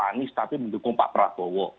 anies tapi mendukung pak prabowo